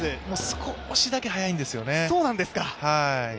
少しだけ早いんですよね。